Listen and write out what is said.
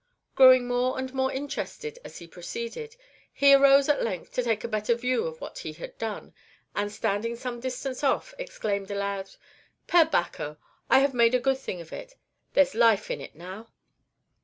Growing more and more interested as he proceeded, he arose at length to take a better view of what he had done, and, standing some distance off, exclaimed aloud, "Per Bacco! I have made a good thing of it there 's life in it now!"